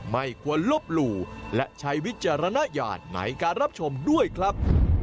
ไม่ควรลบหลู่และใช้วิจารณญาณในการรับชมด้วยครับ